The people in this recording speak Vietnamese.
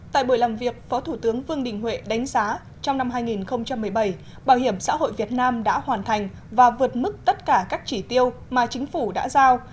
tại buổi làm việc phó thủ tướng vương đình huệ đánh giá trong năm hai nghìn một mươi bảy bảo hiểm xã hội việt nam đã hoàn thành và vượt mức tất cả các chỉ tiêu mà chính phủ đã giao